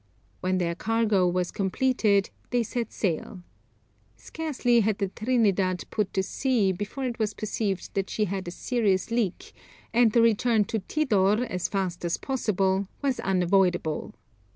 When their cargo was completed, they set sail. Scarcely had the Trinidad put to sea before it was perceived that she had a serious leak, and the return to Tidor as fast as possible was unavoidable.